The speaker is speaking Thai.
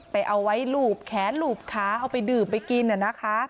ไปเอาไว้ลูบแขนลูบขาเอาไปดื่มไปกิน